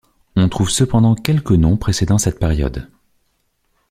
On trouve cependant quelques noms précédant cette période.